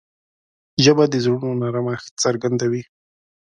ژبه د زړونو نرمښت څرګندوي